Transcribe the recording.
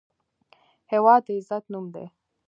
هېواد د عزت نوم دی.